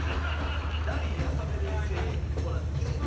ラリー浅めで１０００円もらって。